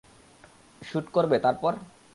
Shoot করবে, তারপর?